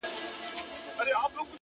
موخه لرونکی انسان نه ستړی کېږي,